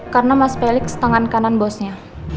karena mas felix tangan kanan bosnya